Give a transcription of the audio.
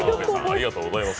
ありがとうございます。